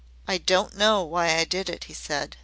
"I don't know why I did it," he said.